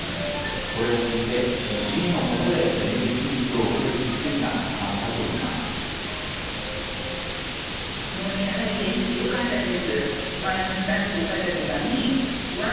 それを聞いて主治医のもとで全摘手術を受ける決意が固まったといいます。